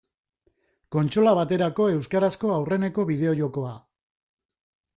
Kontsola baterako euskarazko aurreneko bideo-jokoa.